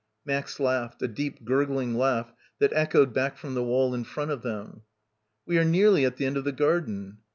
Max laughed; a deep gurgling laugh that echoed back from the wall in front of them. "We are nearly at the end of the garden."